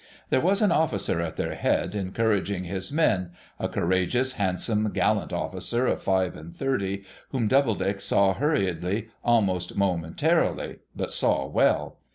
There was an officer at their head, encouraging his men, —a courageous, handsome, gallant officer of five and thirty, whom Doubledick saw hurriedly, almost momentarily, but saw well.